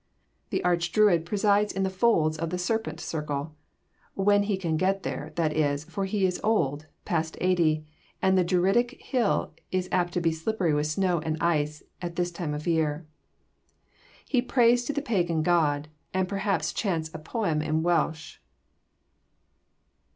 The Arch Druid presides in the folds of the serpent circle when he can get there, that is, for he is old, past eighty, and the Druidic hill is apt to be slippery with snow and ice at this time of the year. He prays to the pagan god, and perhaps chants a poem in Welsh.